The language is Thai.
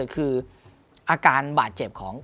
คืออาการบาดเจ็บของ